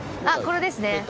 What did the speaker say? あっこれですね。